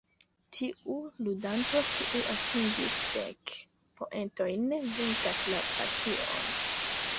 Tiu ludanto, kiu atingis dek poentojn, venkas la partion.